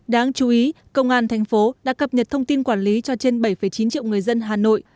đáng chú ý công an thành phố đã cập nhật thông tin quản lý cho trên bảy chín triệu người dân hà nội